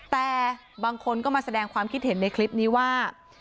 แต่บางคนก็มาแสดงความคิดเห็นในคลิปนี้ว่า